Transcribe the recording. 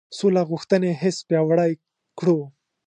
سوله غوښتنې حس پیاوړی کړو.